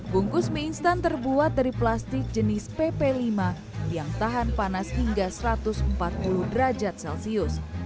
bungkus mie instan terbuat dari plastik jenis pp lima yang tahan panas hingga satu ratus empat puluh derajat celcius